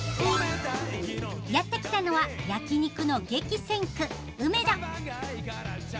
やって来たのは焼き肉の激戦区梅田！